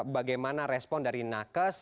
bagaimana respon dari nakes